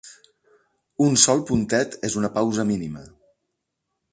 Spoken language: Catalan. Un sol puntet és una pausa mínima.